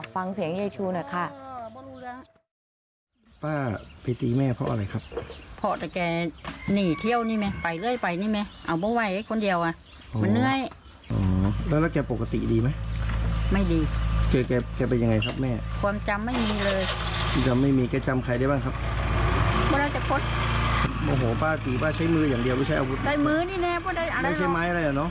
ฟังเสียงเย้ชูนะคะ